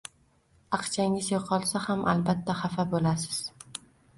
Aqchangiz yo`qolsa ham albatta xafa bo`lasiz